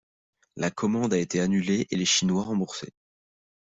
La commande a été annulée et les Chinois remboursés.